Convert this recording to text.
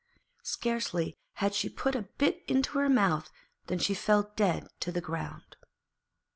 Scarcely had she put a bit into her mouth than she fell dead to the ground.